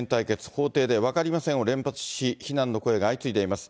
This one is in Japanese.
法廷で分かりませんを連発し、非難の声が相次いでいます。